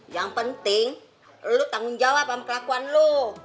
yang penting lu tanggung jawab sama kelakuan lo